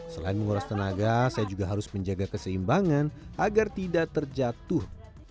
selain menguras tenaga saya juga harus menjaga keseimbangan agar tidak terjatuh